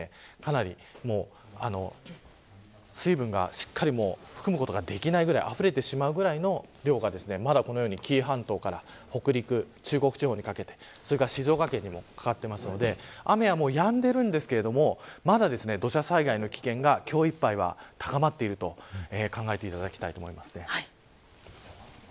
地面に水分をしっかりと含むことができないくらいあふれ出るくらいの量が紀伊半島から北陸中国地方にかけてそれから静岡県にもかかっているので雨はもうやんでいますがまだ土砂災害の危険が今日いっぱいは高まっていると考えていただきたいです。